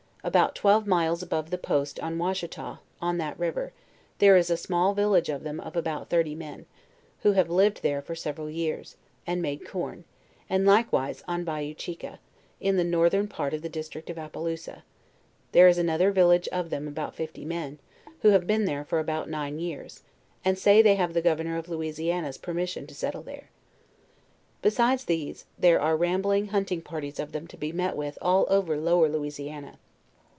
About twelve miles above the post on Ouacheta, on that river, there is a small village of them of about thirty men, who have lived there for several years, and made corn; and likewise on Bayou Chica, in the northern part of the district of Appalousa, there is another village of them of about fifty men, who have been there for about nine years, and say they have the governor of Louisiana's per mission to settle there. Besides these, there are rambling hunting parties of them to be met with all ever Lower Lou isiana.